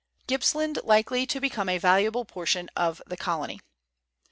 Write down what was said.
GlPPSLAND LIKELY TO BECOME A VALUABLE PORTION OF THE COLONY.